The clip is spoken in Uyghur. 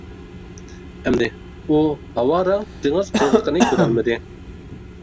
ئەمدى، ئۇ ھاۋا رەڭ دېڭىز قىرغىقىنى كۆرەلمىدى.